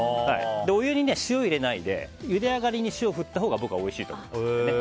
お湯に塩を入れないでゆで上がりに塩を振ったほうが僕はおいしいと思います。